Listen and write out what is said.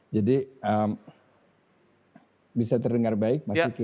jadi bisa terdengar baik mas wiki ya